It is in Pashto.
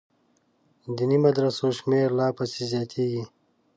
دیني مدرسو شمېر لا پسې زیاتېږي.